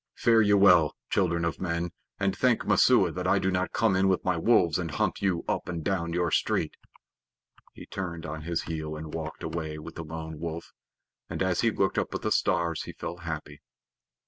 Fare you well, children of men, and thank Messua that I do not come in with my wolves and hunt you up and down your street." He turned on his heel and walked away with the Lone Wolf, and as he looked up at the stars he felt happy.